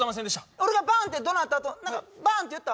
俺がバーンってどなったあと何かバーンって言った？